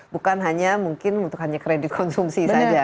bukan hanya mungkin untuk hanya kredit konsumsi saja